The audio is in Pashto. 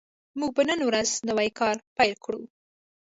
موږ به نن ورځ نوی کار پیل کړو